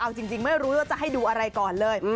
เอาจริงไม่รู้ว่าจะให้ดูอะไรก่อนเลย